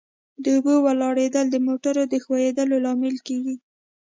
د اوبو ولاړېدل د موټرو د ښوئیدو لامل کیږي